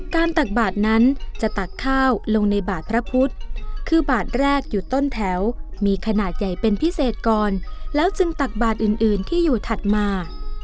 ตักบาทนั้นจะตักข้าวลงในบาทพระพุทธคือบาทแรกอยู่ต้นแถวมีขนาดใหญ่เป็นพิเศษก่อนแล้วจึงตักบาทอื่นที่อยู่ถัดมา